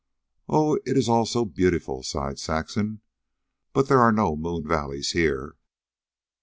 "Oh, it is all so beautiful," sighed Saxon. "But there are no moon valleys here."